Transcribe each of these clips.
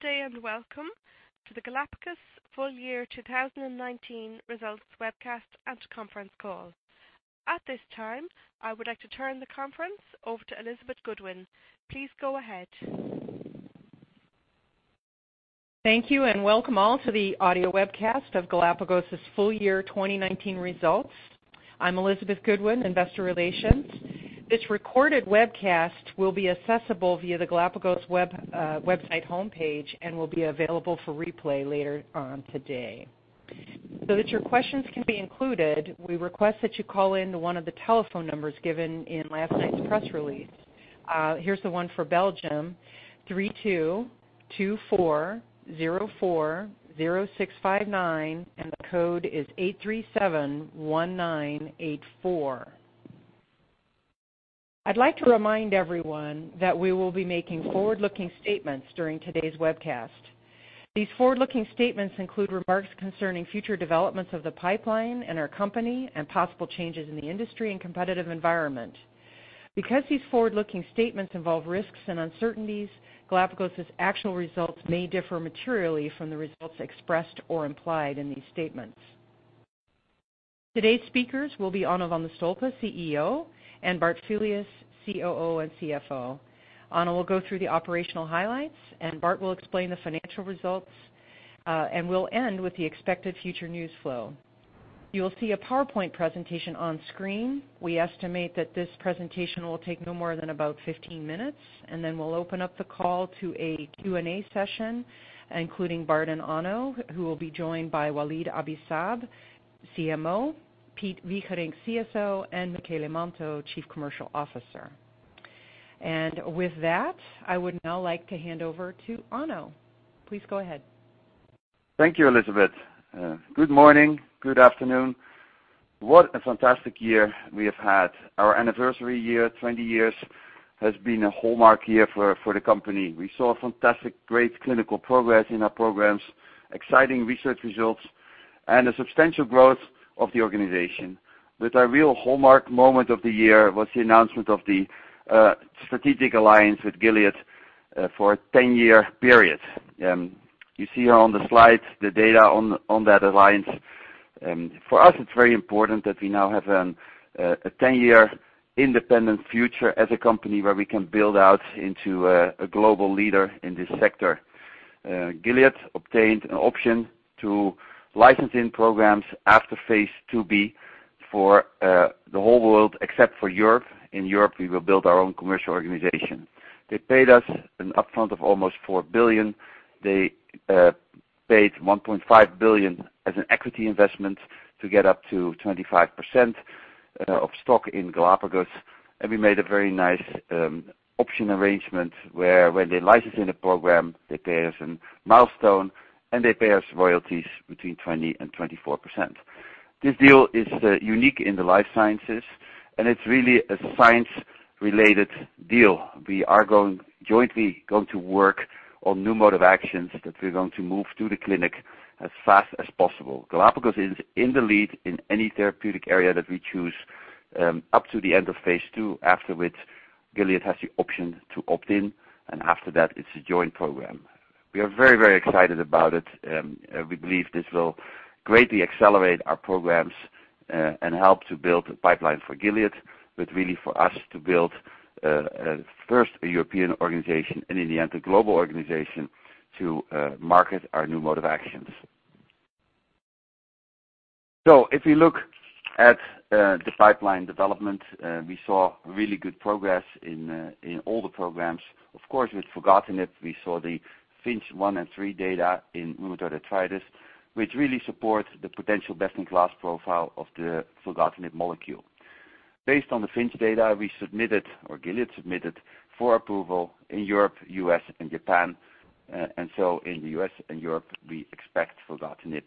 Good day, welcome to the Galapagos Full Year 2019 Results Webcast and Conference Call. At this time, I would like to turn the conference over to Elizabeth Goodwin. Please go ahead. Thank you. Welcome all to the audio webcast of Galapagos' full year 2019 results. I'm Elizabeth Goodwin, investor relations. This recorded webcast will be accessible via the Galapagos website homepage and will be available for replay later on today. That your questions can be included, we request that you call in to one of the telephone numbers given in last night's press release. Here's the one for Belgium, 32-2404-0659, and the code is 8371984. I'd like to remind everyone that we will be making forward-looking statements during today's webcast. These forward-looking statements include remarks concerning future developments of the pipeline and our company and possible changes in the industry and competitive environment. Because these forward-looking statements involve risks and uncertainties, Galapagos' actual results may differ materially from the results expressed or implied in these statements. Today's speakers will be Onno van de Stolpe, CEO, and Bart Filius, COO and CFO. Onno will go through the operational highlights. Bart will explain the financial results. We'll end with the expected future news flow. You will see a PowerPoint presentation on screen. We estimate that this presentation will take no more than about 15 minutes, and then we'll open up the call to a Q&A session, including Bart and Onno, who will be joined by Walid Abi-Saab, CMO, Piet Wigerinck, CSO, and Michele Manto, Chief Commercial Officer. With that, I would now like to hand over to Onno. Please go ahead. Thank you, Elizabeth. Good morning. Good afternoon. What a fantastic year we have had. Our anniversary year, 20 years, has been a hallmark year for the company. We saw fantastic, great clinical progress in our programs, exciting research results, and a substantial growth of the organization. With our real hallmark moment of the year was the announcement of the strategic alliance with Gilead for a 10-year period. You see on the slides the data on that alliance. For us, it's very important that we now have a 10-year independent future as a company where we can build out into a global leader in this sector. Gilead obtained an option to license-in programs after phase II-B for the whole world, except for Europe. In Europe, we will build our own commercial organization. They paid us an upfront of almost 4 billion. They paid 1.5 billion as an equity investment to get up to 25% of stock in Galapagos. We made a very nice option arrangement where when they license-in a program, they pay us a milestone, and they pay us royalties between 20% and 24%. This deal is unique in the life sciences. It's really a science-related deal. We are jointly going to work on new mode of actions that we're going to move to the clinic as fast as possible. Galapagos is in the lead in any therapeutic area that we choose up to the end of phase II, after which Gilead has the option to opt in. After that, it's a joint program. We are very excited about it. We believe this will greatly accelerate our programs and help to build a pipeline for Gilead, but really for us to build first a European organization and in the end a global organization to market our new mode of actions. If you look at the pipeline development, we saw really good progress in all the programs. Of course, with filgotinib, we saw the FINCH 1 and FINCH 3 data in rheumatoid arthritis, which really supports the potential best-in-class profile of the filgotinib molecule. Based on the FINCH data, we submitted, or Gilead submitted, for approval in Europe, U.S., and Japan. In the U.S. and Europe, we expect filgotinib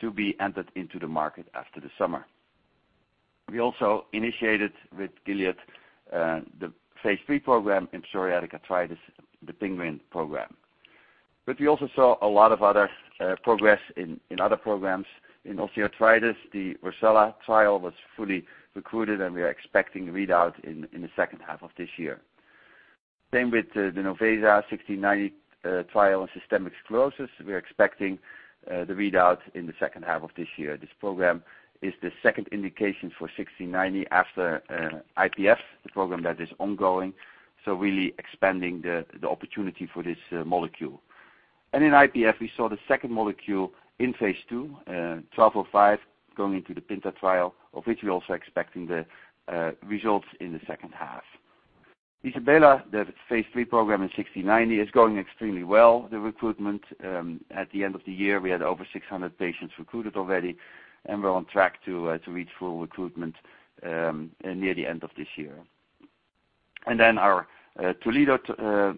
to be entered into the market after the summer. We also initiated with Gilead the phase III program in psoriatic arthritis, the PENGUIN program. We also saw a lot of other progress in other programs. In osteoarthritis, the ROCCELLA trial was fully recruited, and we are expecting readout in the second half of this year. Same with the NOVESA 1690 trial in systemic sclerosis. We are expecting the readout in the second half of this year. This program is the second indication for GLPG1690 after IPF, the program that is ongoing. Really expanding the opportunity for this molecule. In IPF, we saw the second molecule in phase II, GLPG1205, going into the PINTA trial, of which we're also expecting the results in the second half. ISABELA, the phase III program in GLPG1690, is going extremely well. The recruitment at the end of the year, we had over 600 patients recruited already, and we're on track to reach full recruitment near the end of this year. Our Toledo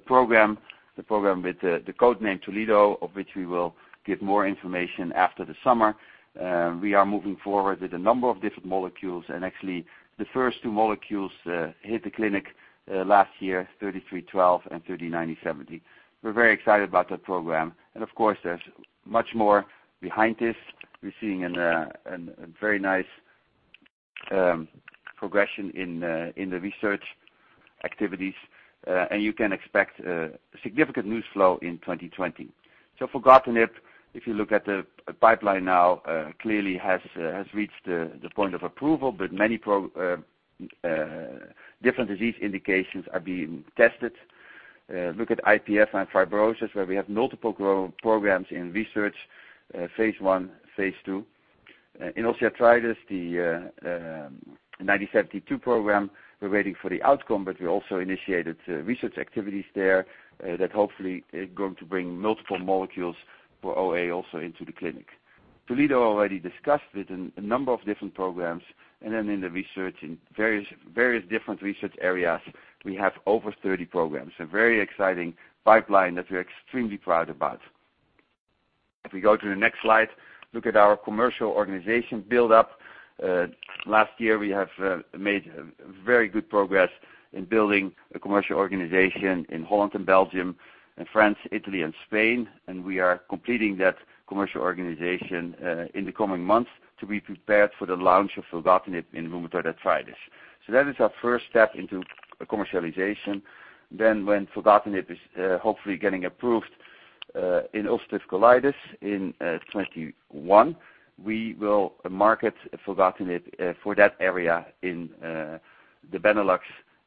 program, the program with the code name Toledo, of which we will give more information after the summer. We are moving forward with a number of different molecules, and actually, the first two molecules hit the clinic last year, GLPG3312 and GLPG3970. We're very excited about that program. Of course, there's much more behind this. We're seeing a very nice progression in the research activities, and you can expect significant news flow in 2020. filgotinib, if you look at the pipeline now, clearly has reached the point of approval, but many different disease indications are being tested. Look at IPF and fibrosis, where we have multiple programs in research, phase I, phase II. In osteoarthritis, the GLPG1972 program, we're waiting for the outcome, but we also initiated research activities there that hopefully are going to bring multiple molecules for OA also into the clinic. Toledo already discussed it, a number of different programs, and then in the research in various different research areas, we have over 30 programs. A very exciting pipeline that we're extremely proud about. If we go to the next slide, look at our commercial organization build-up. Last year, we have made very good progress in building a commercial organization in Holland and Belgium and France, Italy and Spain. We are completing that commercial organization in the coming months to be prepared for the launch of filgotinib in rheumatoid arthritis. That is our first step into commercialization. When filgotinib is hopefully getting approved in ulcerative colitis in 2021, we will market filgotinib for that area in the Benelux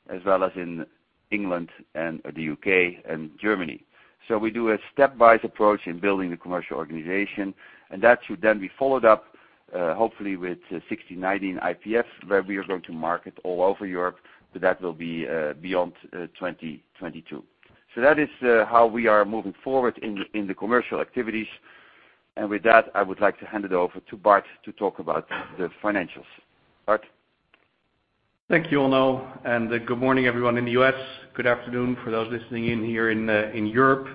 as well as in England and the U.K. and Germany. We do a step-wise approach in building the commercial organization, and that should then be followed up, hopefully with 1690 IPF, where we are going to market all over Europe, but that will be beyond 2022. That is how we are moving forward in the commercial activities. With that, I would like to hand it over to Bart to talk about the financials. Bart? Thank you, Onno. Good morning everyone in the U.S., good afternoon for those listening in here in Europe.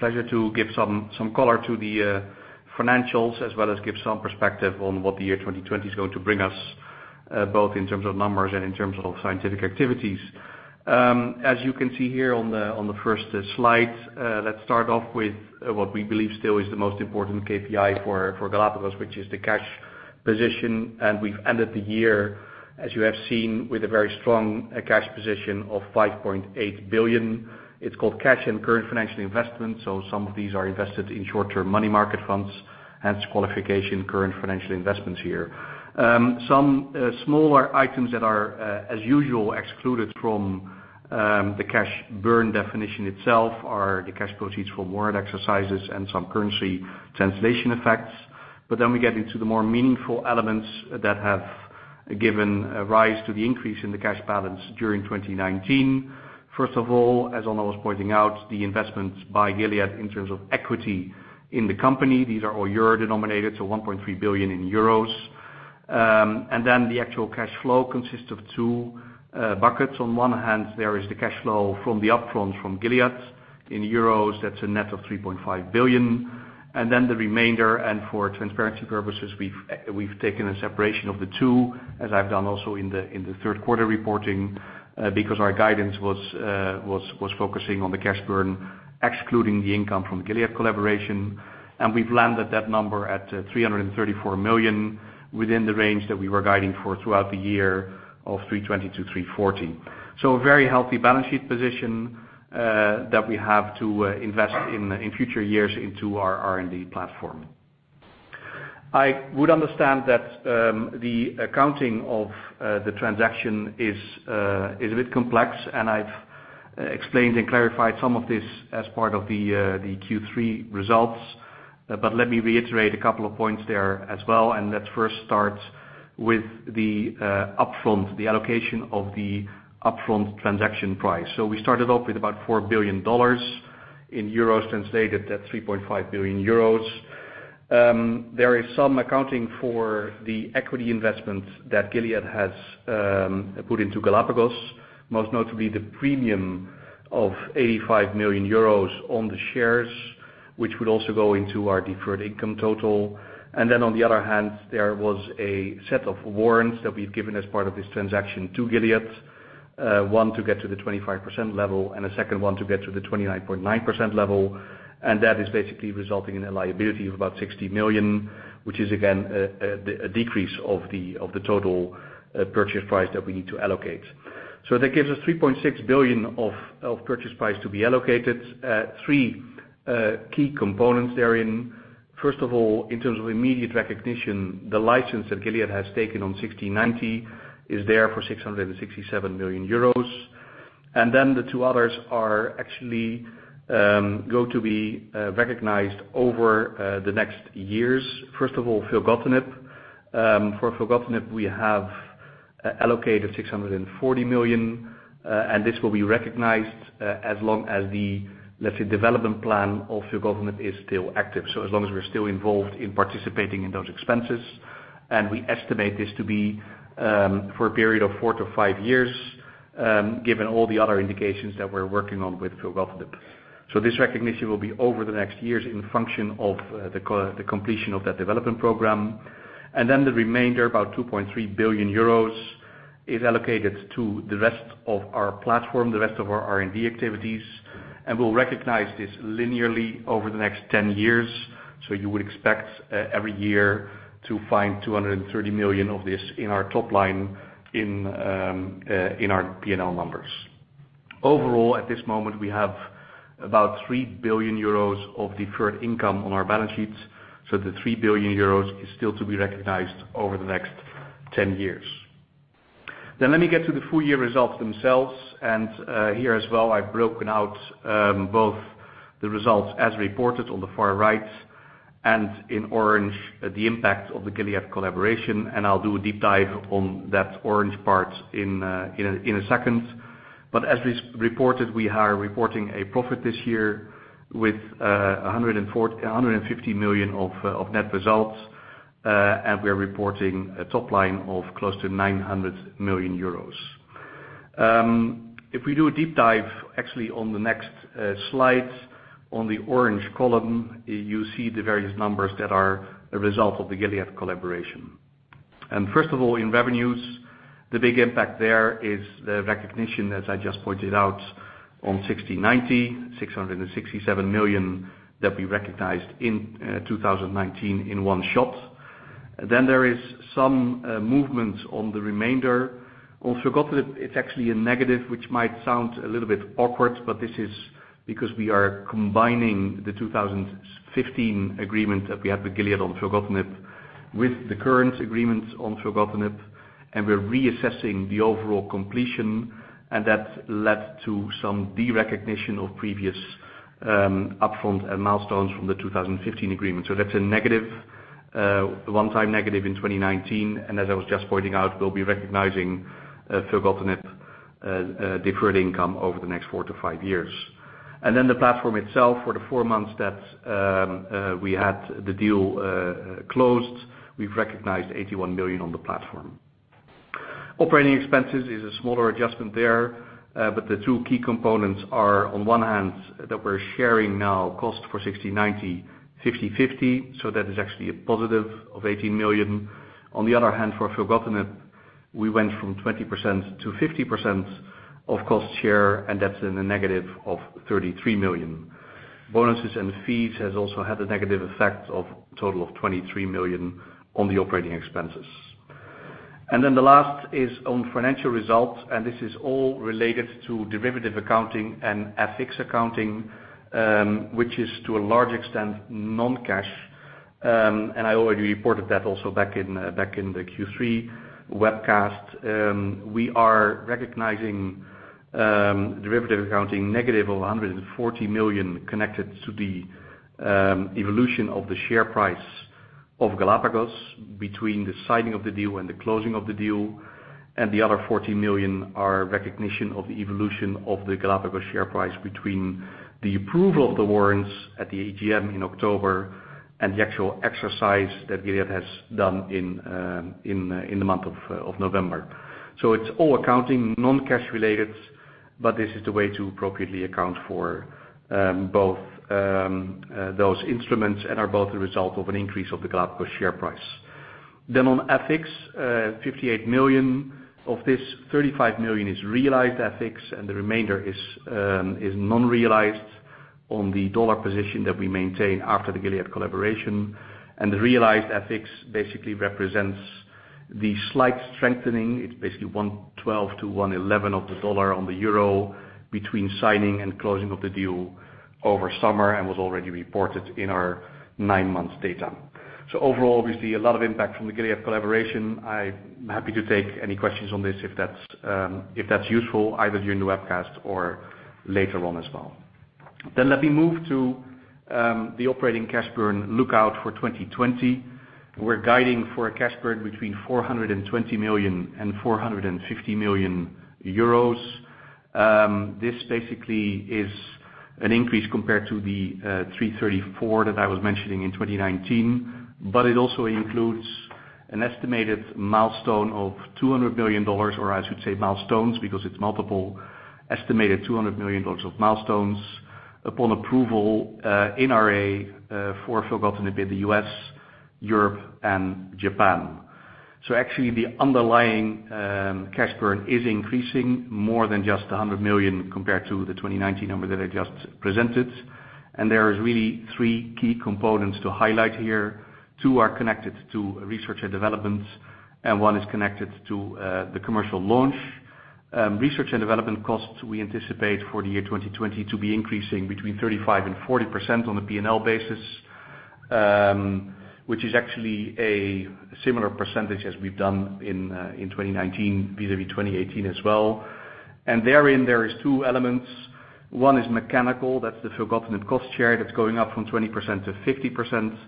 Pleasure to give some color to the financials as well as give some perspective on what the year 2020 is going to bring us, both in terms of numbers and in terms of scientific activities. As you can see here on the first slide, let's start off with what we believe still is the most important KPI for Galapagos, which is the cash position. We've ended the year, as you have seen, with a very strong cash position of 5.8 billion. It's called cash and current financial investment, so some of these are invested in short-term money market funds, hence qualification current financial investments here. Some smaller items that are, as usual, excluded from the cash burn definition itself are the cash proceeds from warrant exercises and some currency translation effects. We get into the more meaningful elements that have given rise to the increase in the cash balance during 2019. First of all, as Onno was pointing out, the investments by Gilead in terms of equity in the company. These are all euro-denominated, 1.3 billion euros. The actual cash flow consists of two buckets. On one hand, there is the cash flow from the upfront from Gilead. In euros, that's a net of 3.5 billion. The remainder, and for transparency purposes, we've taken a separation of the two, as I've done also in the third quarter reporting, because our guidance was focusing on the cash burn, excluding the income from Gilead collaboration. We've landed that number at 334 million within the range that we were guiding for throughout the year of 320 million-340 million. A very healthy balance sheet position that we have to invest in future years into our R&D platform. I would understand that the accounting of the transaction is a bit complex, and I've explained and clarified some of this as part of the Q3 results. Let me reiterate a couple of points there as well. Let's first start with the upfront, the allocation of the upfront transaction price. We started off with about $4 billion. In euros translated, that's 3.5 billion euros. There is some accounting for the equity investment that Gilead has put into Galapagos, most notably the premium of 85 million euros on the shares, which would also go into our deferred income total. Then on the other hand, there was a set of warrants that we've given as part of this transaction to Gilead, one to get to the 25% level and a second one to get to the 29.9% level. That is basically resulting in a liability of about 60 million, which is again, a decrease of the total purchase price that we need to allocate. That gives us 3.6 billion of purchase price to be allocated. Three key components therein. First of all, in terms of immediate recognition, the license that Gilead has taken on GLPG1690 is there for 667 million euros. Then the two others are actually going to be recognized over the next years. First of all, filgotinib. For filgotinib, we have allocated 640 million, this will be recognized as long as the, let's say, development plan of filgotinib is still active, as long as we're still involved in participating in those expenses. We estimate this to be for a period of four to five years, given all the other indications that we're working on with filgotinib. This recognition will be over the next years in function of the completion of that development program. The remainder, about 2.3 billion euros is allocated to the rest of our platform, the rest of our R&D activities, we'll recognize this linearly over the next 10 years. You would expect every year to find 230 million of this in our top line in our P&L numbers. Overall, at this moment, we have about 3 billion euros of deferred income on our balance sheets. The 3 billion euros is still to be recognized over the next 10 years. Let me get to the full year results themselves, and here as well, I've broken out both the results as reported on the far right and in orange, the impact of the Gilead collaboration, and I'll do a deep dive on that orange part in a second. As we reported, we are reporting a profit this year with 150 million of net results, and we're reporting a top line of close to 900 million euros. If we do a deep dive, actually, on the next slide, on the orange column, you see the various numbers that are a result of the Gilead collaboration. First of all, in revenues, the big impact there is the recognition, as I just pointed out, on GLPG1690, 667 million that we recognized in 2019 in one shot. There is some movement on the remainder. On filgotinib, it's actually a negative, which might sound a little bit awkward, but this is because we are combining the 2015 agreement that we had with Gilead on filgotinib with the current agreement on filgotinib, and we're reassessing the overall completion, and that led to some derecognition of previous upfront and milestones from the 2015 agreement. That's a one-time negative in 2019. As I was just pointing out, we'll be recognizing filgotinib deferred income over the next four to five years. The platform itself, for the four months that we had the deal closed, we've recognized 81 million on the platform. Operating expenses is a smaller adjustment there, but the two key components are, on one hand, that we're sharing now cost for GLPG1690, 50/50, so that is actually a positive of 18 million. On the other hand, for filgotinib, we went from 20% to 50% of cost share, and that's in the negative of 33 million. Bonuses and fees has also had a negative effect of total of 23 million on the operating expenses. The last is on financial results, and this is all related to derivative accounting and FX accounting, which is to a large extent non-cash. I already reported that also back in the Q3 webcast. We are recognizing derivative accounting negative of 140 million connected to the evolution of the share price of Galapagos between the signing of the deal and the closing of the deal. The other 14 million are recognition of the evolution of the Galapagos share price between the approval of the warrants at the AGM in October and the actual exercise that Gilead has done in the month of November. It's all accounting, non-cash related, but this is the way to appropriately account for both those instruments and are both a result of an increase of the Galapagos share price. On FX, 58 million. Of this, 35 million is realized FX, and the remainder is non-realized on the dollar position that we maintain after the Gilead collaboration. The realized FX basically represents the slight strengthening. It's basically 1.12 to 1.11 of the dollar on the euro between signing and closing of the deal over summer and was already reported in our nine months data. Overall, obviously, a lot of impact from the Gilead collaboration. I'm happy to take any questions on this if that's useful, either during the webcast or later on as well. Let me move to the operating cash burn lookout for 2020. We're guiding for a cash burn between 420 million and 450 million euros. This basically is an increase compared to the 334 that I was mentioning in 2019, but it also includes an estimated milestone of $200 million, or I should say milestones because it's multiple, estimated $200 million of milestones upon approval in RA for filgotinib in the U.S., Europe, and Japan. Actually the underlying cash burn is increasing more than just 100 million compared to the 2019 number that I just presented, and there is really three key components to highlight here. Two are connected to research and development, and one is connected to the commercial launch. Research and development costs, we anticipate for the year 2020 to be increasing between 35% and 40% on a P&L basis, which is actually a similar percentage as we've done in 2019 vis-a-vis 2018 as well. Therein, there is two elements. One is mechanical, that's the filgotinib cost share that's going up from 20% to 50%.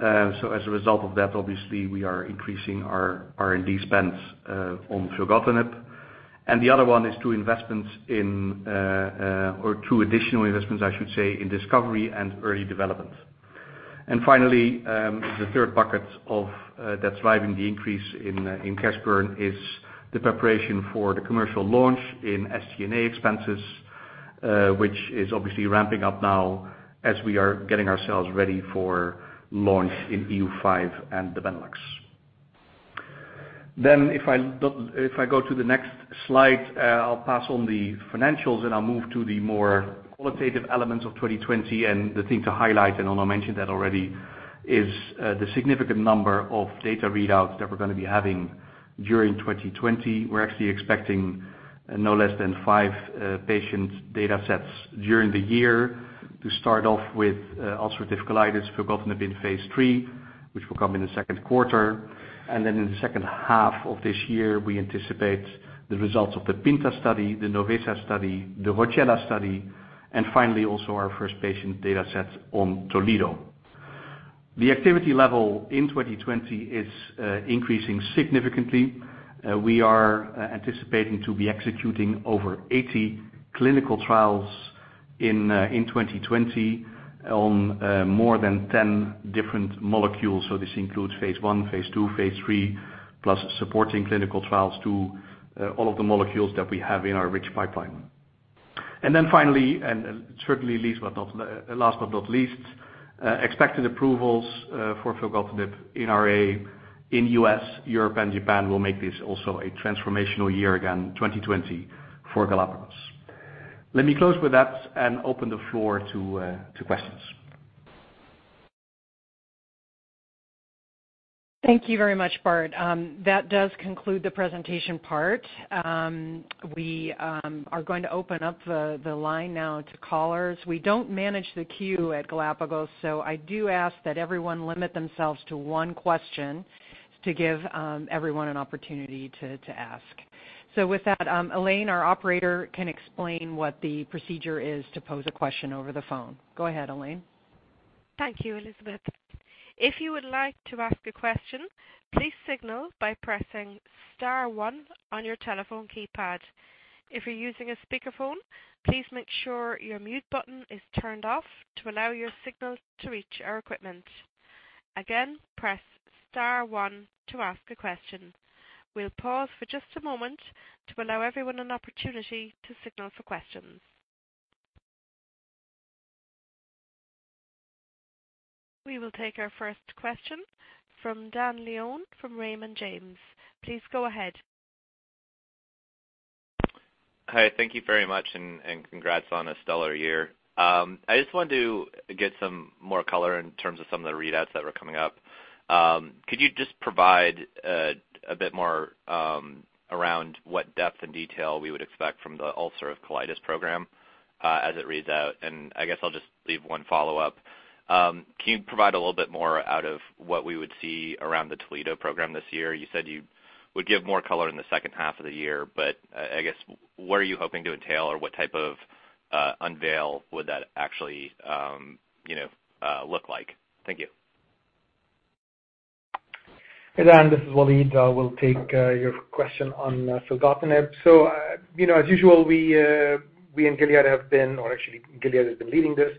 As a result of that, obviously, we are increasing our R&D spends on filgotinib. The other one is two investments in or two additional investments, I should say, in discovery and early development. Finally, the third bucket that's driving the increase in cash burn is the preparation for the commercial launch in SG&A expenses, which is obviously ramping up now as we are getting ourselves ready for launch in EU5 and the Benelux. If I go to the next slide, I'll pass on the financials and I'll move to the more qualitative elements of 2020 and the thing to highlight, and Onno mentioned that already, is the significant number of data readouts that we're going to be having during 2020. We're actually expecting no less than five patient data sets during the year to start off with ulcerative colitis, filgotinib in phase III, which will come in the second quarter. In the second half of this year, we anticipate the results of the PINTA study, the NOVESA study, the ROCCELLA study, and finally, also our first patient data set on Toledo. The activity level in 2020 is increasing significantly. We are anticipating to be executing over 80 clinical trials in 2020 on more than 10 different molecules. This includes phase I, phase II, phase III, plus supporting clinical trials to all of the molecules that we have in our rich pipeline. Finally, and certainly last but not least, expected approvals for filgotinib in RA in U.S., Europe, and Japan will make this also a transformational year again, 2020, for Galapagos. Let me close with that and open the floor to questions. Thank you very much, Bart. That does conclude the presentation part. We are going to open up the line now to callers. We don't manage the queue at Galapagos. I do ask that everyone limit themselves to one question to give everyone an opportunity to ask. With that, Elaine, our operator, can explain what the procedure is to pose a question over the phone. Go ahead, Operator. Thank you, Elizabeth. If you would like to ask a question, please signal by pressing star one on your telephone keypad. If you're using a speakerphone, please make sure your mute button is turned off to allow your signal to reach our equipment. Again, press star one to ask a question. We'll pause for just a moment to allow everyone an opportunity to signal for questions. We will take our first question from Dane Leone, from Raymond James. Please go ahead. Hi, thank you very much, and congrats on a stellar year. I just wanted to get some more color in terms of some of the readouts that were coming up. Could you just provide a bit more around what depth and detail we would expect from the ulcerative colitis program as it reads out? I guess I'll just leave one follow-up. Can you provide a little bit more out of what we would see around the Toledo program this year? You said you would give more color in the second half of the year, but, I guess, what are you hoping to entail, or what type of unveil would that actually look like? Thank you. Hey, Dane. This is Walid. I will take your question on filgotinib. As usual, we and Gilead have been, or actually Gilead has been leading this.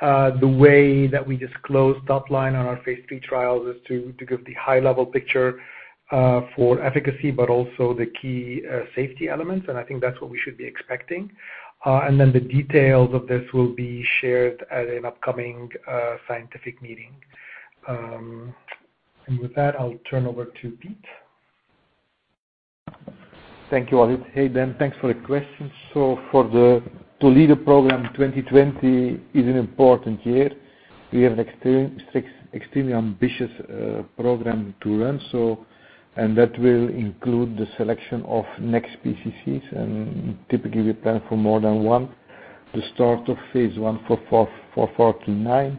The way that we disclose top line on our phase III trials is to give the high-level picture for efficacy, but also the key safety elements, and I think that's what we should be expecting. The details of this will be shared at an upcoming scientific meeting. With that, I'll turn over to Piet. Thank you, Walid. Hey, Dane. Thanks for the question. For the Toledo program, 2020 is an important year. We have an extremely ambitious program to run, and that will include the selection of next PCCs, and typically we plan for more than one. The start of phase I for GLPG4399.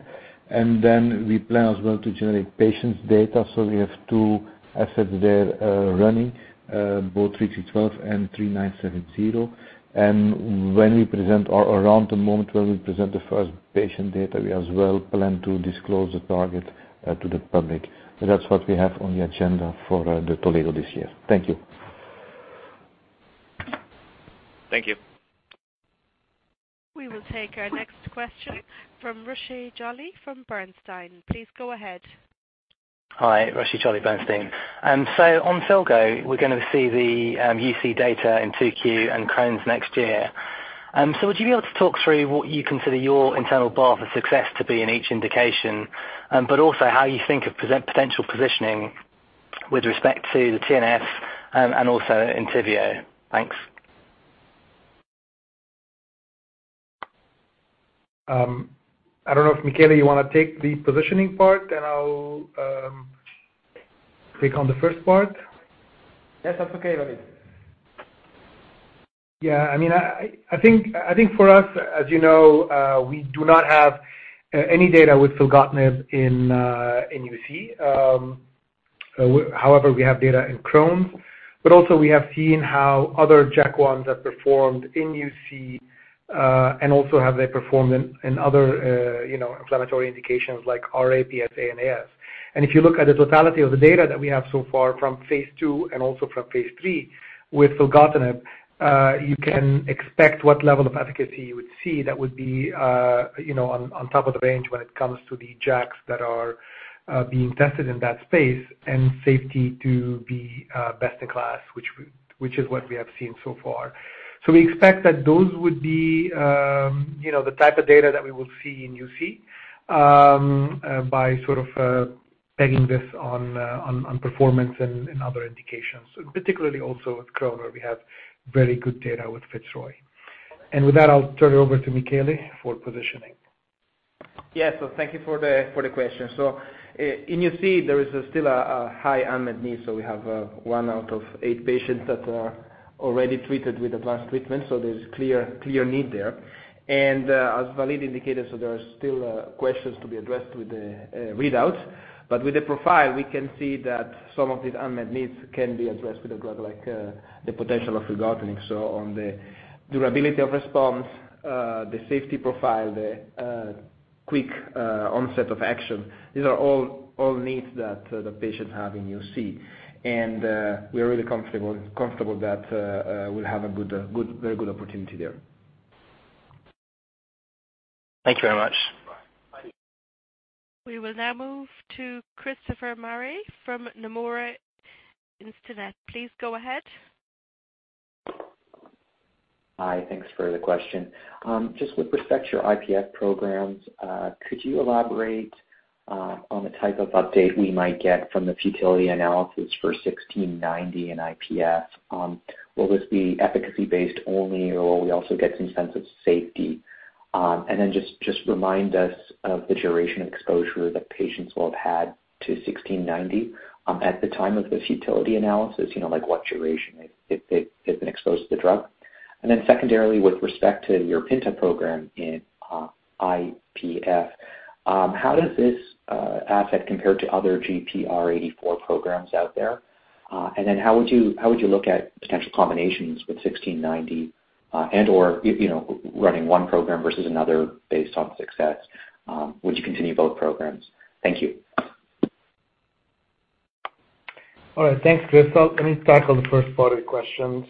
Then we plan as well to generate patients' data. We have two assets there running, both GLPG3312 and GLPG3970. Around the moment when we present the first patient data, we as well plan to disclose the target to the public. That's what we have on the agenda for the Toledo this year. Thank you. Thank you. We will take our next question from Rushee Jolly from Bernstein. Please go ahead. Hi. Rushee Jolly, Bernstein. On filgo, we're going to see the UC data in 2Q and Crohn's next year. Would you be able to talk through what you consider your internal bar for success to be in each indication, but also how you think of potential positioning with respect to the TNF and also ENTYVIO? Thanks. I don't know if Michele, you want to take the positioning part and I'll take on the first part? Yes, that's okay, Walid. Yeah, I think for us, as you know, we do not have any data with filgotinib in UC. We have data in Crohn's, but also we have seen how other JAK1s have performed in UC, and also how they performed in other inflammatory indications like RA, PsA, and AS. If you look at the totality of the data that we have so far from phase II and also from phase III with filgotinib, you can expect what level of efficacy you would see that would be on top of the range when it comes to the JAKs that are being tested in that space and safety to be best in class, which is what we have seen so far. We expect that those would be the type of data that we will see in UC, by sort of pegging this on performance and other indications, particularly also with Crohn's, where we have very good data with FITZROY. With that, I'll turn it over to Michele for positioning. Yeah. Thank you for the question. In UC, there is still a high unmet need. We have one out of eight patients that are already treated with advanced treatment. There's clear need there. As Walid indicated, there are still questions to be addressed with the readouts. With the profile, we can see that some of these unmet needs can be addressed with a drug like the potential of filgotinib. On the durability of response, the safety profile, the quick onset of action, these are all needs that the patients have in UC. We're really comfortable that we'll have a very good opportunity there. Thank you very much. We will now move to Christopher Marai from Nomura Instinet. Please go ahead. Hi. Thanks for the question. Just with respect to your IPF programs, could you elaborate on the type of update we might get from the futility analysis for GLPG1690 in IPF? Will this be efficacy-based only, or will we also get some sense of safety? Just remind us of the duration of exposure that patients will have had to GLPG1690 at the time of this futility analysis, like what duration they've been exposed to the drug. Secondarily, with respect to your PINTA program in IPF, how does this asset compare to other GPR84 programs out there? How would you look at potential combinations with GLPG1690 and/or running one program versus another based on success? Would you continue both programs? Thank you. All right. Thanks, Chris. Let me tackle the first part of the question.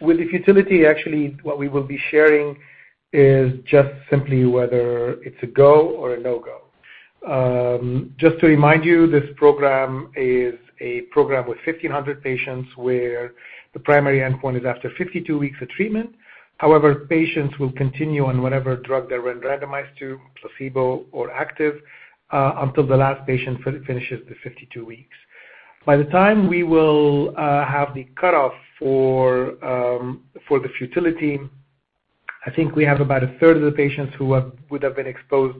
With the futility, actually, what we will be sharing is just simply whether it's a go or a no-go. Just to remind you, this program is a program with 1,500 patients, where the primary endpoint is after 52 weeks of treatment. However, patients will continue on whatever drug they were randomized to, placebo or active, until the last patient finishes the 52 weeks. By the time we will have the cutoff for the futility, I think we have about a 1/3 of the patients who would have been exposed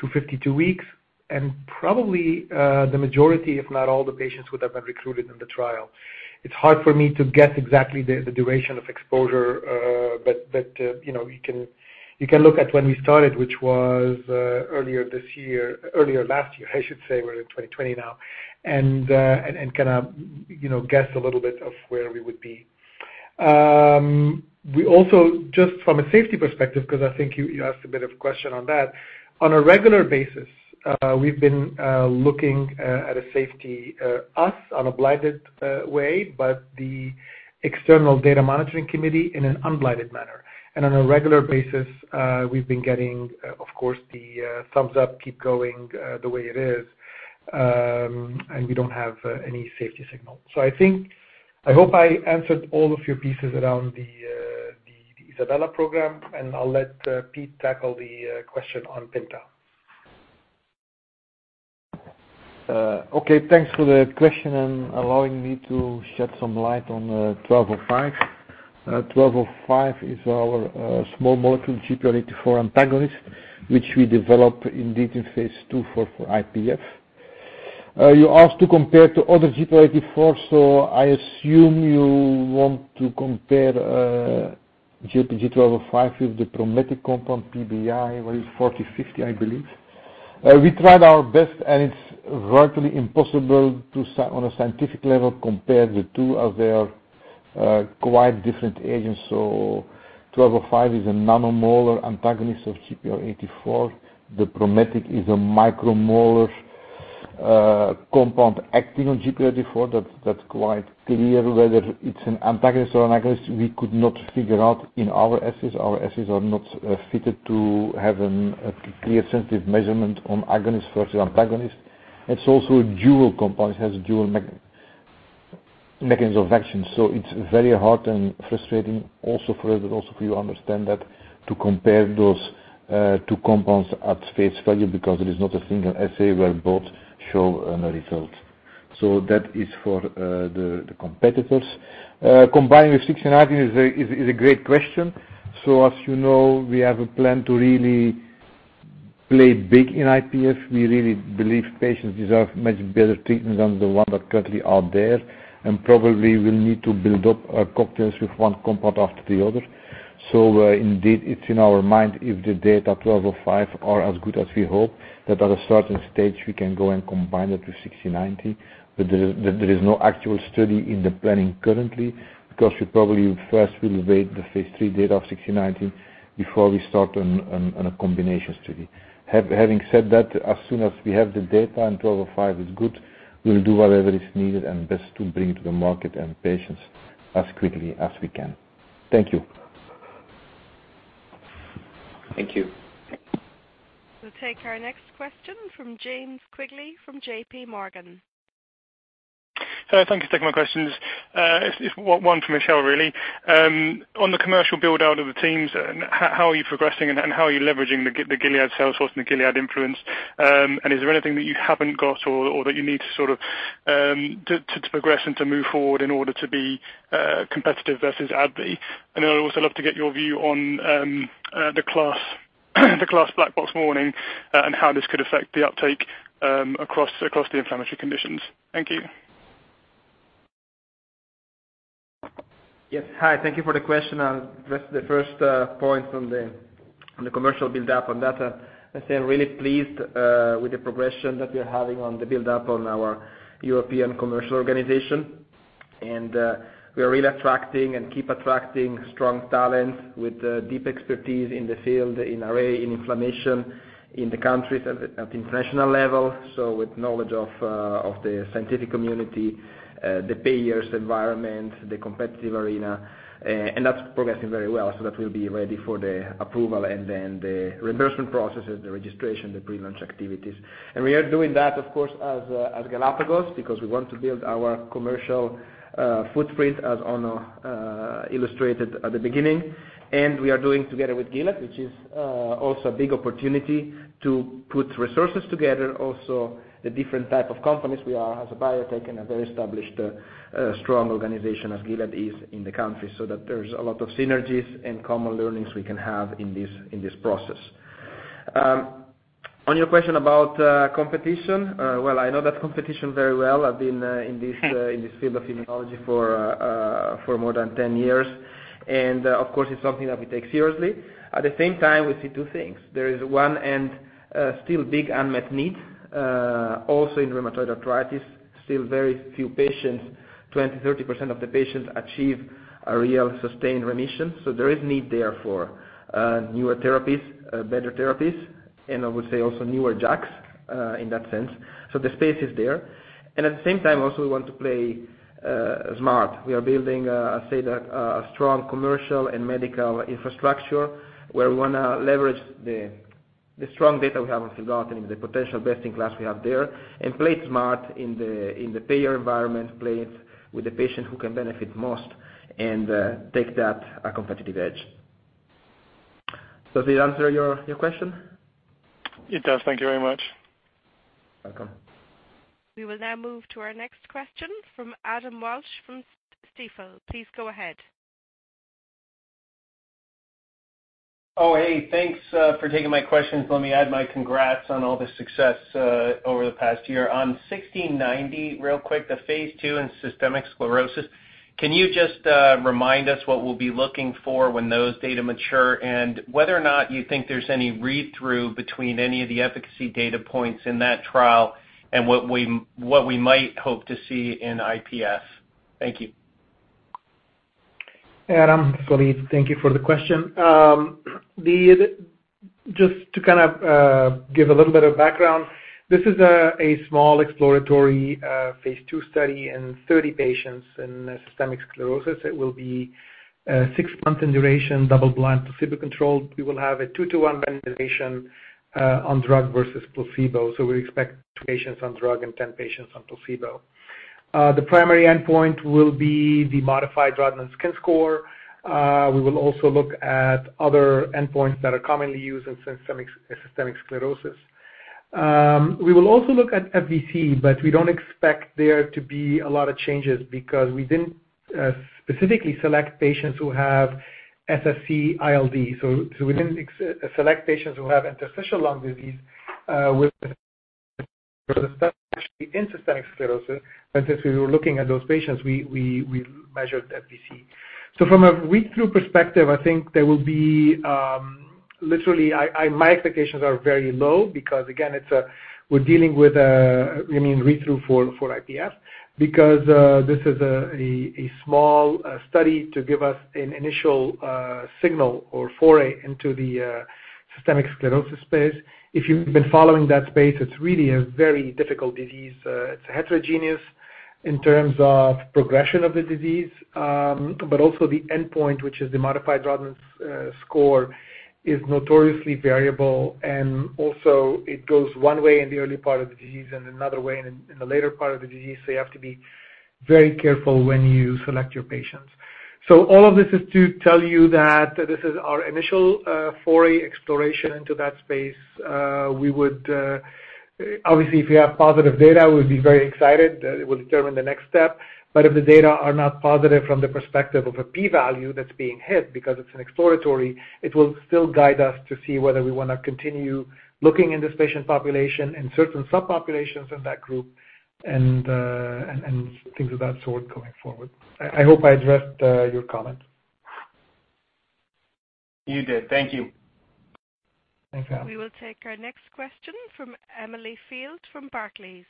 to 52 weeks, and probably, the majority, if not all the patients, would have been recruited in the trial. It's hard for me to guess exactly the duration of exposure, but you can look at when we started, which was earlier this year, earlier last year, I should say, we're in 2020 now, and kind of guess a little bit of where we would be. We also, just from a safety perspective, because I think you asked a bit of question on that, on a regular basis, we've been looking at a safety us on a blinded way, but the external data monitoring committee in an unblinded manner. On a regular basis, we've been getting, of course, the thumbs up, keep going the way it is. We don't have any safety signal. I hope I answered all of your pieces around the ISABELA program, and I'll let Piet tackle the question on PINTA. Okay. Thanks for the question and allowing me to shed some light on GLPG1205. GLPG1205 is our small molecule GPR84 antagonist, which we developed indeed in phase II for IPF. You asked to compare to other GPR84. I assume you want to compare GLPG-1205 with the ProMetic compound PBI-4050, I believe. We tried our best and it's virtually impossible to, on a scientific level, compare the two as they are quite different agents. GLPG1205 is a nanomolar antagonist of GPR84. The Prometic is a micromolar compound acting on GPR84. That's quite clear. Whether it's an antagonist or an agonist, we could not figure out in our assays. Our assays are not fitted to have a clear sensitive measurement on agonist versus antagonist. It's also a dual compound. It has a dual mechanism of action. It's very hard and frustrating also for us and also for you understand that to compare those two compounds at face value because it is not a single assay where both show a result. That is for the competitors. Combined with GLPG1690 is a great question. As you know, we have a plan to really play big in IPF. We really believe patients deserve much better treatment than the ones that currently are there, and probably we'll need to build up cocktails with one compound after the other. Indeed, it's in our mind if the data GLPG1205 are as good as we hope that at a certain stage, we can go and combine it with GLPG1690. There is no actual study in the planning currently because we probably first will wait the phase III data of GLPG1690 before we start on a combination study. Having said that, as soon as we have the data and GLPG1205 is good, we'll do whatever is needed and best to bring to the market and patients as quickly as we can. Thank you. Thank you. We'll take our next question from James Quigley from JP Morgan. Hello, thank you for taking my questions. It's one for Michele, really. On the commercial build-out of the teams, how are you progressing and how are you leveraging the Gilead sales force and the Gilead influence? Is there anything that you haven't got or that you need to progress and to move forward in order to be competitive versus AbbVie? I would also love to get your view on the class black box warning and how this could affect the uptake across the inflammatory conditions. Thank you. Yes. Hi, thank you for the question. I'll address the first point on the commercial buildup on that. I'd say I'm really pleased with the progression that we're having on the buildup on our European commercial organization. We are really attracting and keep attracting strong talent with deep expertise in the field, in RA, in inflammation in the countries at the international level, with knowledge of the scientific community, the payers environment, the competitive arena. That's progressing very well, so that we'll be ready for the approval and then the reimbursement processes, the registration, the pre-launch activities. We are doing that, of course, as Galapagos because we want to build our commercial footprint as Onno illustrated at the beginning. We are doing together with Gilead, which is also a big opportunity to put resources together, also the different type of companies we are as a biotech and a very established, strong organization as Gilead is in the country, so that there's a lot of synergies and common learnings we can have in this process. On your question about competition, well, I know that competition very well. I've been in this field of immunology for more than 10 years, and of course, it's something that we take seriously. At the same time, we see two things. There is one and still big unmet need, also in rheumatoid arthritis. Still very few patients, 20%, 30% of the patients achieve a real sustained remission. There is need there for newer therapies, better therapies, and I would say also newer JAKs, in that sense. The space is there. At the same time, also, we want to play smart. We are building, I'd say a strong commercial and medical infrastructure where we want to leverage the strong data we have on filgotinib, the potential best-in-class we have there, and play it smart in the payer environment, play it with the patient who can benefit most and take that competitive edge. Does it answer your question? It does. Thank you very much. Welcome. We will now move to our next question from Adam Walsh from Stifel. Please go ahead. Oh, hey. Thanks for taking my questions. Let me add my congrats on all the success over the past year. On GLPG1690, real quick, the phase II and systemic sclerosis, can you just remind us what we'll be looking for when those data mature? Whether or not you think there's any read-through between any of the efficacy data points in that trial and what we might hope to see in IPF. Thank you. Adam, this is Walid. Thank you for the question. To kind of give a little bit of background, this is a small exploratory phase II study in 30 patients in systemic sclerosis. It will be six months in duration, double blind, placebo-controlled. We will have a 2:1 randomization on drug versus placebo. We expect 20 patients on drug and 10 patients on placebo. The primary endpoint will be the modified Rodnan skin score. We will also look at other endpoints that are commonly used in systemic sclerosis. We will also look at FVC. We don't expect there to be a lot of changes because we didn't specifically select patients who have SSc-ILD. We didn't select patients who have interstitial lung disease with systemic sclerosis. Since we were looking at those patients, we measured FVC. From a read-through perspective, I think there will be Literally, my expectations are very low because, again, we're dealing with a read-through for IPF because this is a small study to give us an initial signal or foray into the systemic sclerosis space. If you've been following that space, it's really a very difficult disease. It's heterogeneous in terms of progression of the disease. Also the endpoint, which is the modified Rodnan score, is notoriously variable, and also it goes one way in the early part of the disease and another way in the later part of the disease. You have to be very careful when you select your patients. All of this is to tell you that this is our initial foray exploration into that space. Obviously, if we have positive data, we'll be very excited. It will determine the next step. If the data are not positive from the perspective of a P value that's being hit because it's an exploratory, it will still guide us to see whether we want to continue looking in this patient population, in certain subpopulations in that group and things of that sort going forward. I hope I addressed your comment. You did. Thank you. Thanks, Adam. We will take our next question from Emily Field from Barclays.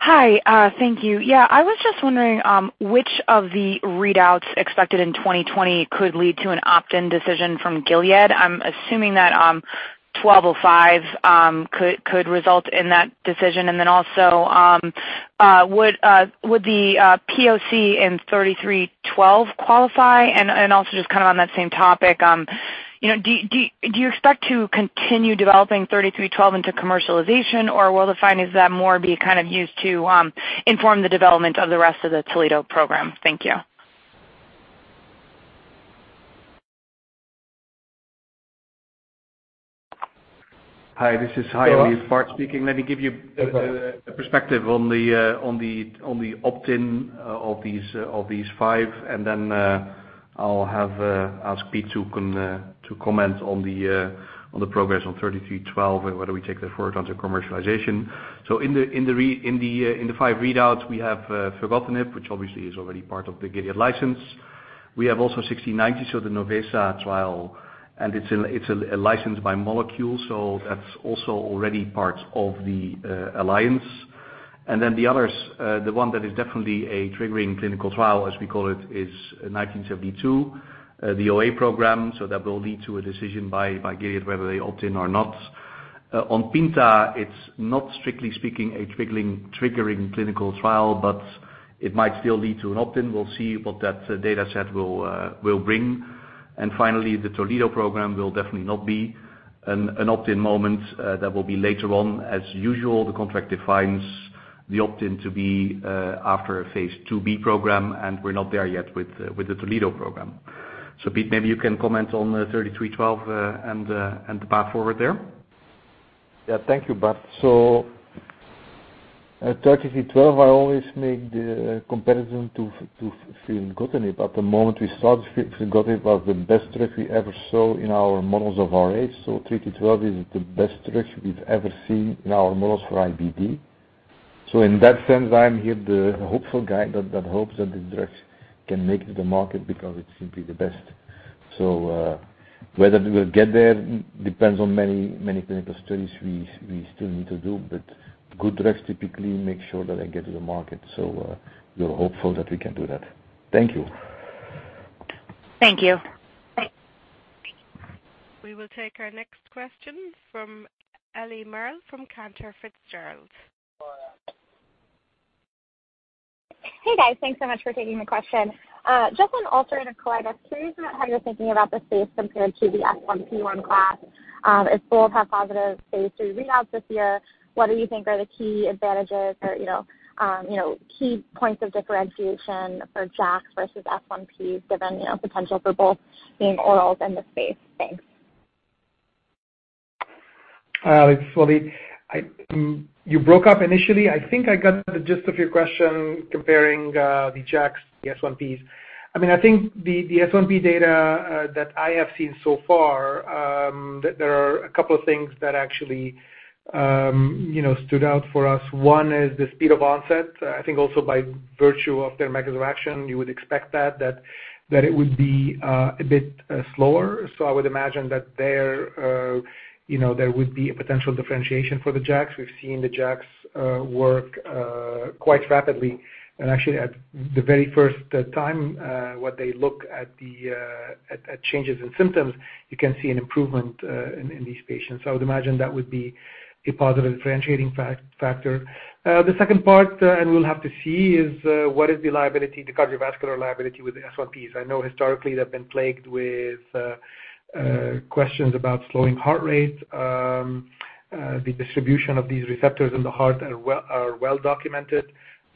Hi. Thank you. Yeah, I was just wondering which of the readouts expected in 2020 could lead to an opt-in decision from Gilead. I'm assuming that-1205 could result in that decision. Also, would the POC in GLPG3312 qualify? Also just on that same topic, do you expect to continue developing GLPG3312 into commercialization? Or will the findings of that more be used to inform the development of the rest of the Toledo program? Thank you. Hi, this is Bart speaking. Let me give you a perspective on the opt-in of these five, then I'll ask Piet to comment on the progress on GLPG3312 and whether we take that forward onto commercialization. In the five readouts, we have filgotinib, which obviously is already part of the Gilead license. We have also GLPG1690, the NOVESA trial, and it's licensed by molecule, that's also already part of the alliance. The others, the one that is definitely a triggering clinical trial, as we call it, is GLPG1972, the OA program. That will lead to a decision by Gilead whether they opt in or not. On PINTA, it's not strictly speaking a triggering clinical trial, but it might still lead to an opt-in. We'll see what that data set will bring. Finally, the Toledo program will definitely not be an opt-in moment. That will be later on. As usual, the contract defines the opt-in to be after a phase II-B program. We're not there yet with the Toledo program. Piet, maybe you can comment on the GLPG3312 and the path forward there. Yeah, thank you, Bart. At GLPG3312, I always make the comparison to filgotinib. At the moment we started, filgotinib was the best drug we ever saw in our models of RA. GLPG3312 is the best drug we've ever seen in our models for IBD. In that sense, I'm here the hopeful guy that hopes that this drug can make it to the market because it's simply the best. Whether we will get there depends on many clinical studies we still need to do, but good drugs typically make sure that they get to the market. We're hopeful that we can do that. Thank you. Thank you. We will take our next question from Eliana Merle from Cantor Fitzgerald. Hey, guys. Thanks so much for taking the question. Just on ulcerative colitis, curious about how you're thinking about the space compared to the S1P1 class. If both have positive phase II readouts this year, what do you think are the key advantages or key points of differentiation for JAKs versus S1P given potential for both being oral in the space? Thanks. You broke up initially. I think I got the gist of your question comparing the JAKs to S1Ps. I think the S1P data that I have seen so far, there are a couple of things that actually stood out for us. One is the speed of onset. I think also by virtue of their mechanism of action, you would expect that it would be a bit slower. I would imagine that there would be a potential differentiation for the JAKs. We've seen the JAKs work quite rapidly. Actually, at the very first time what they look at changes in symptoms, you can see an improvement in these patients. I would imagine that would be a positive differentiating factor. The second part, and we'll have to see, is what is the liability to cardiovascular liability with the S1Ps. I know historically they've been plagued with questions about slowing heart rate. The distribution of these receptors in the heart are well-documented.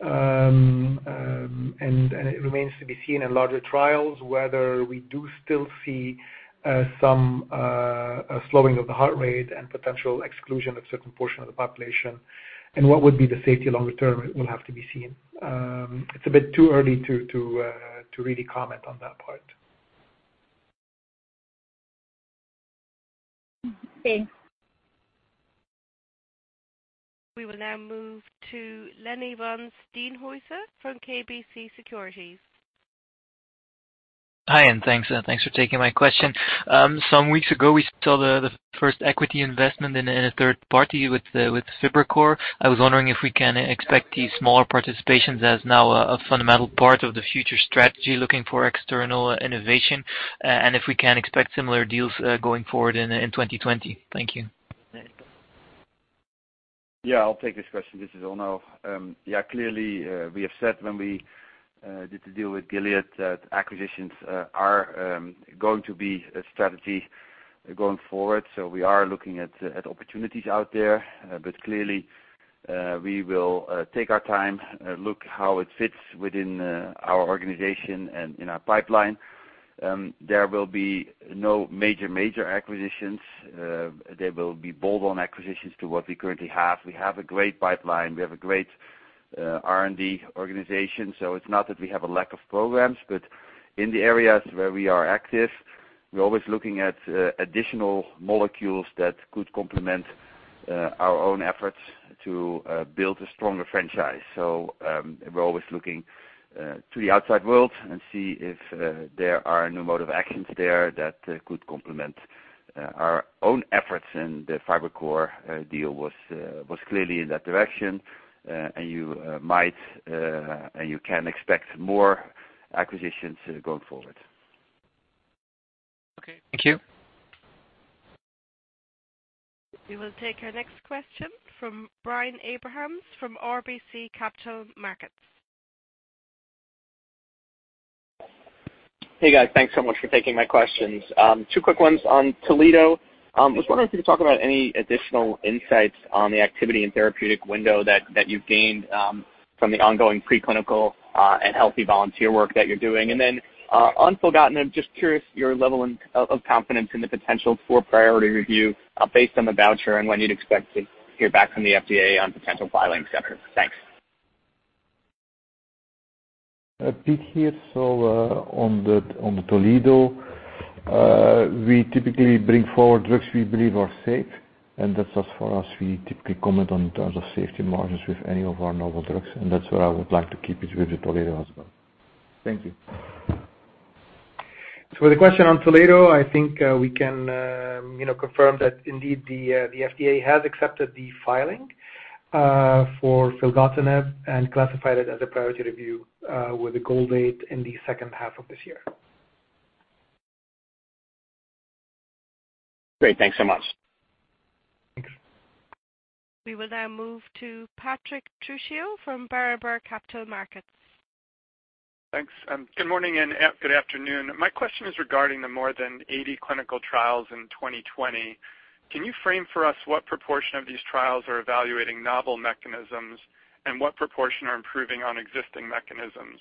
It remains to be seen in larger trials whether we do still see some slowing of the heart rate and potential exclusion of certain portion of the population. What would be the safety longer-term will have to be seen. It's a bit too early to really comment on that part. Thanks. We will now move to Lenny Van Steenhuyse from KBC Securities. Hi, and thanks for taking my question. Some weeks ago, we saw the first equity investment in a third party with Fibrocor. I was wondering if we can expect these smaller participations as now a fundamental part of the future strategy looking for external innovation, and if we can expect similar deals going forward in 2020. Thank you. I'll take this question. This is Onno. Clearly, we have said when we did the deal with Gilead that acquisitions are going to be a strategy going forward. Clearly, we will take our time, look how it fits within our organization and in our pipeline. There will be no major acquisitions. They will be bolt-on acquisitions to what we currently have. We have a great pipeline. We have a great R&D organization. It's not that we have a lack of programs, but in the areas where we are active, we're always looking at additional molecules that could complement our own efforts to build a stronger franchise. We're always looking to the outside world and see if there are new mode of actions there that could complement our own efforts, and the Fibrocor deal was clearly in that direction. You can expect more acquisitions going forward. Okay, thank you. We will take our next question from Brian Abrahams, from RBC Capital Markets. Hey, guys. Thanks so much for taking my questions. Two quick ones on Toledo. I was wondering if you could talk about any additional insights on the activity and therapeutic window that you've gained from the ongoing preclinical, and healthy volunteer work that you're doing. On filgotinib, just curious your level of confidence in the potential for priority review, based on the voucher, and when you'd expect to hear back from the FDA on potential filing centers. Thanks. Piet here. On the Toledo, we typically bring forward drugs we believe are safe, and that's as far as we typically comment on terms of safety margins with any of our novel drugs, and that's where I would like to keep it with the Toledo as well. Thank you. The question on Toledo, I think we can confirm that indeed the FDA has accepted the filing for filgotinib and classified it as a priority review with the goal date in the second half of this year. Great. Thanks so much. Thanks. We will now move to Patrick Trucchio from Berenberg Capital Markets. Thanks. Good morning and good afternoon. My question is regarding the more than 80 clinical trials in 2020. Can you frame for us what proportion of these trials are evaluating novel mechanisms, and what proportion are improving on existing mechanisms?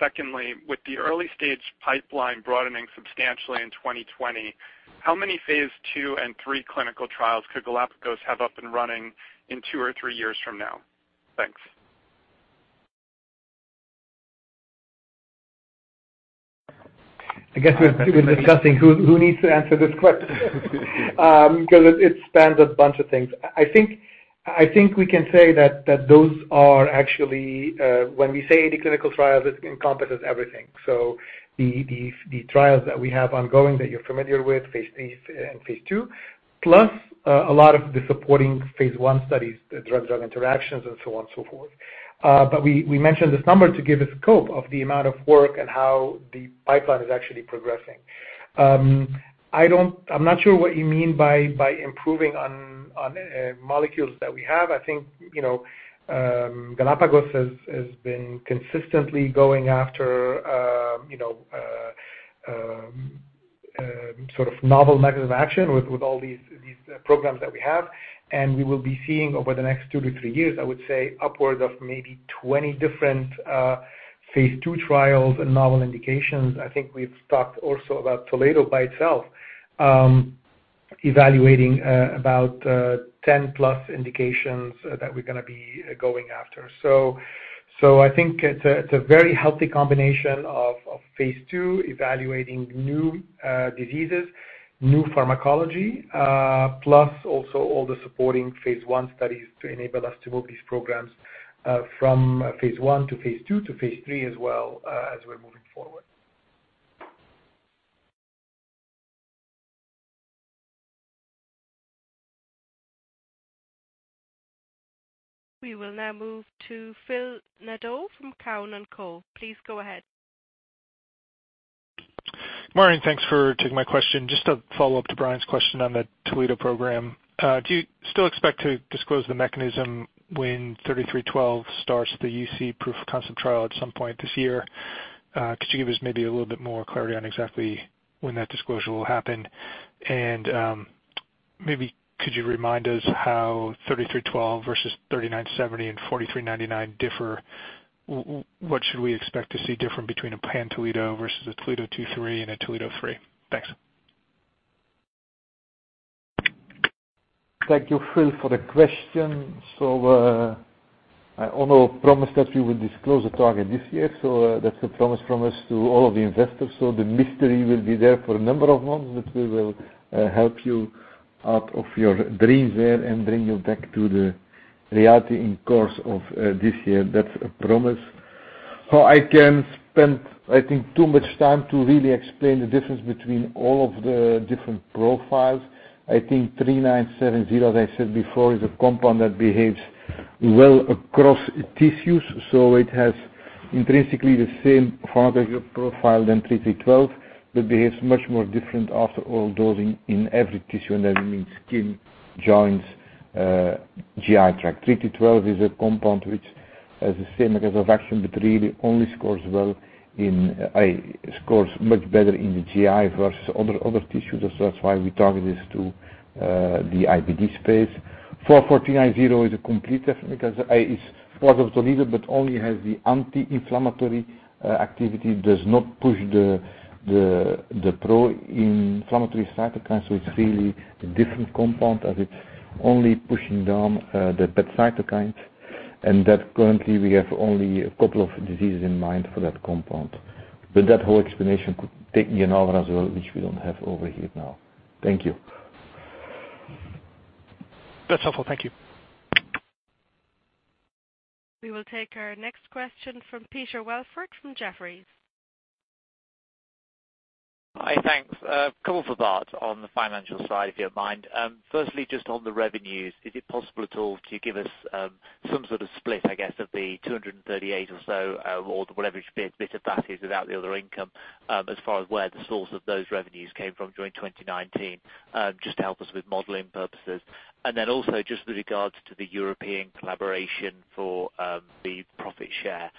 Secondly, with the early-stage pipeline broadening substantially in 2020, how many phase II and III clinical trials could Galapagos have up and running in two or three years from now? Thanks. I guess we're discussing who needs to answer this question. It spans a bunch of things. We can say that those are actually When we say 80 clinical trials, it encompasses everything. The trials that we have ongoing that you're familiar with, phase III and phase II, plus a lot of the supporting phase I studies, the drug-drug interactions and so on, so forth. We mentioned this number to give a scope of the amount of work and how the pipeline is actually progressing. I'm not sure what you mean by improving on molecules that we have. Galapagos has been consistently going after sort of novel mechanism action with all these programs that we have, and we will be seeing over the next two to three years, I would say upwards of maybe 20 different phase II trials and novel indications. I think we've talked also about Toledo by itself, evaluating about 10+ indications that we're going to be going after. I think it's a very healthy combination of phase II, evaluating new diseases, new pharmacology, plus also all the supporting phase I studies to enable us to move these programs from phase I to phase II to phase III as well, as we're moving forward. We will now move to Phil Nadeau from Cowen and Company. Please go ahead. Maureen, thanks for taking my question. Just a follow-up to Brian's question on the Toledo program. Do you still expect to disclose the mechanism when GLPG3312 starts the UC proof of concept trial at some point this year? Could you give us maybe a little bit more clarity on exactly when that disclosure will happen? Maybe could you remind us how GLPG3312 versus GLPG3970 and GLPG4399 differ? What should we expect to see different between a pan-Toledo versus a Toledo 2/3 and a Toledo 3? Thanks. Thank you, Phil, for the question. I honor promise that we will disclose the target this year. That's a promise from us to all of the investors. The mystery will be there for a number of months, but we will help you out of your dreams there and bring you back to the reality in course of this year. That's a promise. I can spend, I think, too much time to really explain the difference between all of the different profiles. I think GLPG3970, as I said before, is a compound that behaves well across tissues. It has intrinsically the same pharmacological profile than GLPG3312, but behaves much more different after oral dosing in every tissue, and that means skin, joints, GI tract. GLPG3312 is a compound which has the same mechanism of action, really only scores much better in the GI versus other tissues. That's why we target this to the IBD space. GLPG4399 is a complete different, because it is part of Toledo, but only has the anti-inflammatory activity, does not push the pro-inflammatory cytokines. It's really a different compound as it's only pushing down the bad cytokines, that currently we have only a couple of diseases in mind for that compound. That whole explanation could take me an hour as well, which we don't have over here now. Thank you. That's helpful. Thank you. We will take our next question from Peter Welford from Jefferies. Hi, thanks. A couple for Bart on the financial side, if you don't mind. Firstly, just on the revenues, is it possible at all to give us some sort of split, I guess, of the 238 or so, or whatever bit of that is without the other income, as far as where the source of those revenues came from during 2019? Just with regards to the European collaboration for the profit share.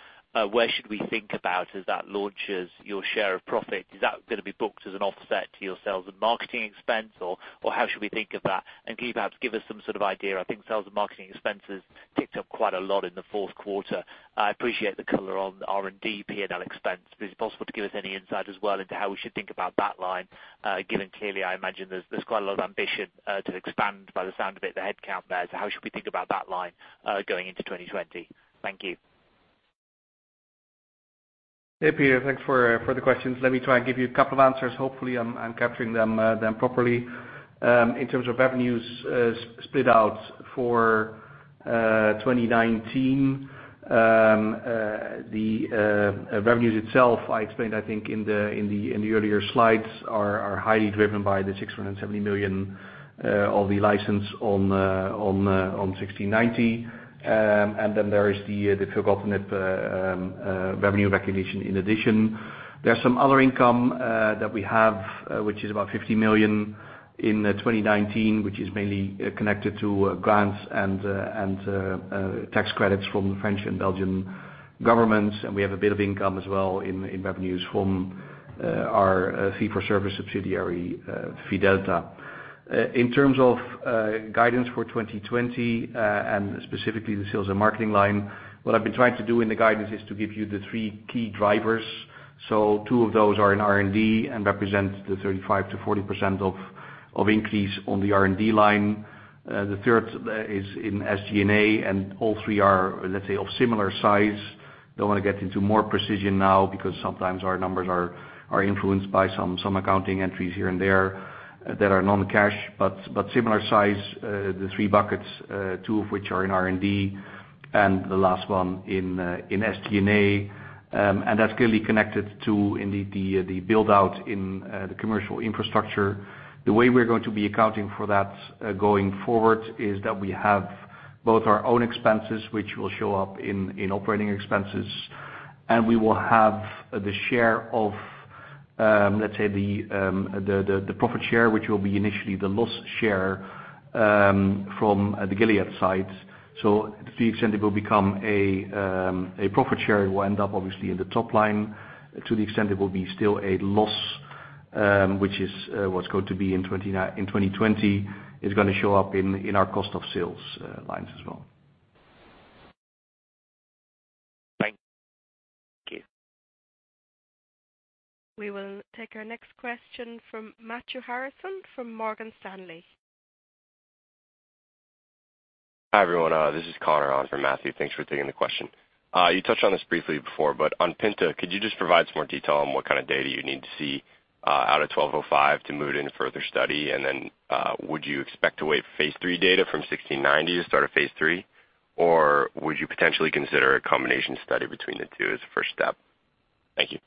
Where should we think about as that launches your share of profit? Is that going to be booked as an offset to your sales and marketing expense, or how should we think of that? Can you perhaps give us some sort of idea, I think sales and marketing expenses ticked up quite a lot in the fourth quarter. I appreciate the color on the R&D, P&L expense. Is it possible to give us any insight as well into how we should think about that line, given clearly, I imagine there's quite a lot of ambition to expand, by the sound of it, the headcount there. How should we think about that line, going into 2020? Thank you. Hey, Peter. Thanks for the questions. Let me try and give you a couple of answers. Hopefully, I'm capturing them properly. In terms of revenues split out for 2019. The revenues itself, I explained, I think in the earlier slides, are highly driven by the 670 million of the license on 1690. There is the filgotinib revenue recognition in addition. There is some other income that we have, which is about 50 million in 2019, which is mainly connected to grants and tax credits from the French and Belgian governments. We have a bit of income as well in revenues from our fee-for-service subsidiary, Fidelta. In terms of guidance for 2020, and specifically the sales and marketing line. What I've been trying to do in the guidance is to give you the three key drivers. Two of those are in R&D and represent the 35%-40% of increase on the R&D line. The third is in SG&A, and all three are, let's say, of similar size. Don't want to get into more precision now because sometimes our numbers are influenced by some accounting entries here and there that are non-cash. Similar size, the three buckets, two of which are in R&D and the last one in SG&A. That's clearly connected to indeed the build-out in the commercial infrastructure. The way we're going to be accounting for that going forward is that we have both our own expenses, which will show up in operating expenses. We will have the share of, let's say, the profit share, which will be initially the loss share from the Gilead Sciences side. To the extent it will become a profit share, it will end up obviously in the top line. To the extent it will be still a loss, which is what's going to be in 2020, is going to show up in our cost of sales lines as well. Thank you. We will take our next question from Matthew Harrison, from Morgan Stanley. Hi, everyone. This is Connor on for Matthew. Thanks for taking the question. You touched on this briefly before, but on PINTA, could you just provide some more detail on what kind of data you need to see out of 1205 to move it into further study? Would you expect to wait for phase III data from 1690 to start a phase III? Would you potentially consider a combination study between the two as a first step? Thank you.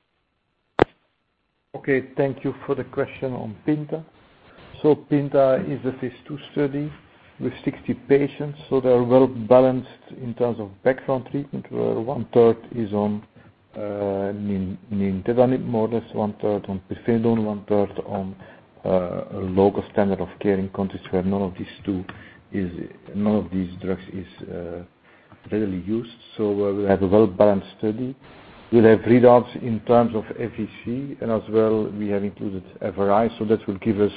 Thank you for the question on PINTA. PINTA is a phase II study with 60 patients, they are well-balanced in terms of background treatment, where one-third is on nintedanib, more or less one-third on pirfenidone, one-third on local standard of care in countries where none of these drugs is readily used. We have a well-balanced study. We'll have readouts in terms of FVC, and as well, we have included FRI, that will give us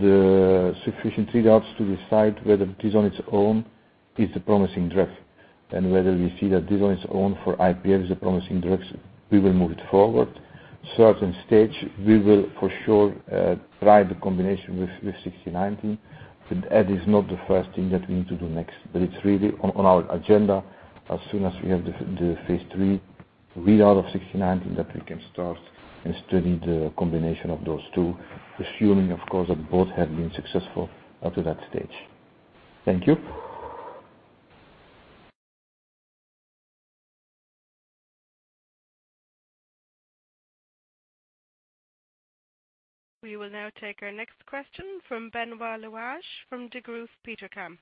the sufficient readouts to decide whether the disease on its own is a promising drug. Whether we see that disease on its own for IPF is a promising drug, we will move it forward. Certain stage, we will, for sure, try the combination with GLPG1690. That is not the first thing that we need to do next. It's really on our agenda as soon as we have the phase III readout of GLPG1690, that we can start and study the combination of those two. Assuming, of course, that both have been successful up to that stage. Thank you. We will now take our next question from Benoit Louage, from Degroof Petercam.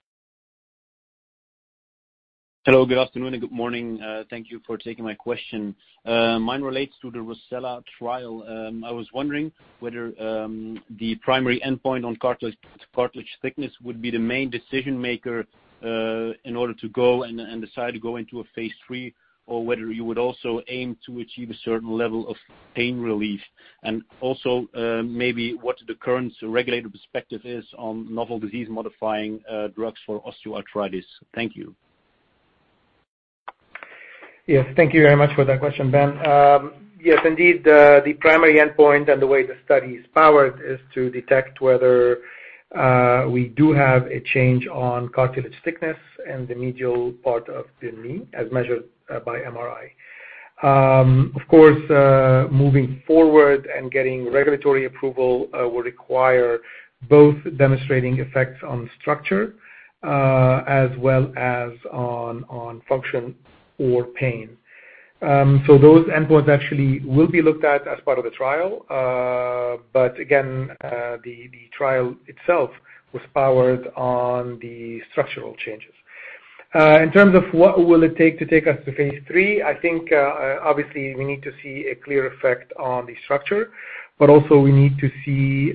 Hello. Good afternoon and good morning. Thank you for taking my question. Mine relates to the ROCCELLA trial. I was wondering whether the primary endpoint on cartilage thickness would be the main decision-maker in order to go and decide to go into a phase III, or whether you would also aim to achieve a certain level of pain relief. Also, maybe what the current regulatory perspective is on novel disease-modifying drugs for osteoarthritis. Thank you. Yes, thank you very much for that question, Ben. Yes, indeed, the primary endpoint and the way the study is powered is to detect whether we do have a change on cartilage thickness in the medial part of the knee as measured by MRI. Of course, moving forward and getting regulatory approval will require both demonstrating effects on structure, as well as on function or pain. Those endpoints actually will be looked at as part of the trial. The trial itself was powered on the structural changes. In terms of what will it take to take us to phase III, I think, obviously, we need to see a clear effect on the structure, but also we need to see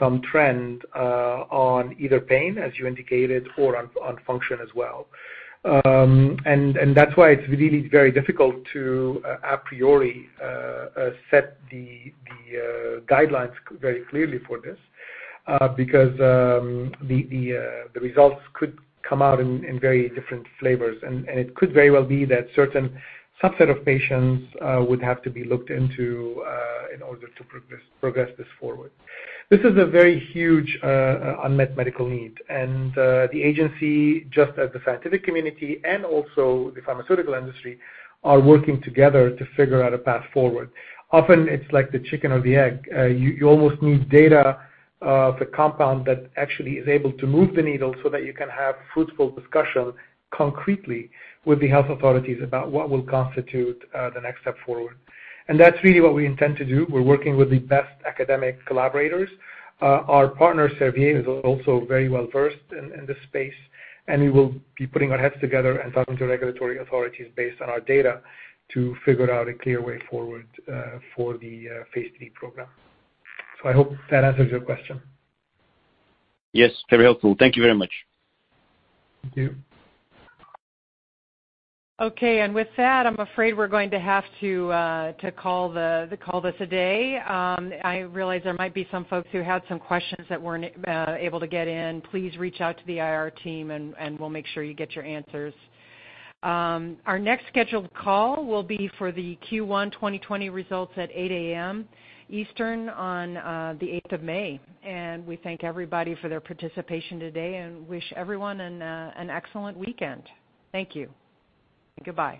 some trend on either pain, as you indicated, or on function as well. That's why it's really very difficult to, a priori, set the guidelines very clearly for this, because the results could come out in very different flavors, and it could very well be that certain subset of patients would have to be looked into in order to progress this forward. This is a very huge unmet medical need, and the Agency, just as the scientific community and also the pharmaceutical industry, are working together to figure out a path forward. Often it's like the chicken or the egg. You almost need data of a compound that actually is able to move the needle so that you can have fruitful discussion concretely with the health authorities about what will constitute the next step forward. That's really what we intend to do. We're working with the best academic collaborators. Our partner, Servier, is also very well-versed in this space, and we will be putting our heads together and talking to regulatory authorities based on our data to figure out a clear way forward for the phase III program. I hope that answers your question. Yes, very helpful. Thank you very much. Thank you. Okay. With that, I'm afraid we're going to have to call this a day. I realize there might be some folks who had some questions that weren't able to get in. Please reach out to the IR team, and we'll make sure you get your answers. Our next scheduled call will be for the Q1 2020 results at 8:00 A.M. Eastern on the 8th of May. We thank everybody for their participation today and wish everyone an excellent weekend. Thank you. Goodbye.